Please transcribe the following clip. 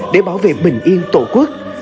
để bảo vệ bình yên tổ quốc